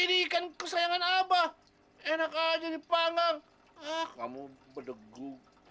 ini ikan kesayangan abah enak aja dipanggang kamu bedegu